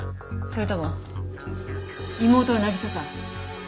それとも妹の渚さん？